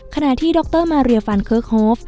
ขณะที่ดรมาเรียฟันเคิร์กโฮฟ